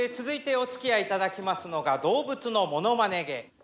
続いておつきあい頂きますのが動物のものまね芸。